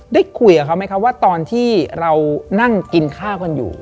ได้คุยกับเขาไหมครับว่าตอนที่เรานั่งกินข้าวกันอยู่